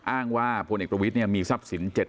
อ้างว่าพลเอกประวิทย์มีทรัพย์สิน๗๐